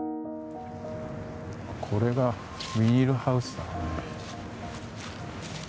これがビニールハウスだ。